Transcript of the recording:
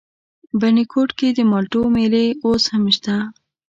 بټي کوټ کې د مالټو مېلې اوس هم شته؟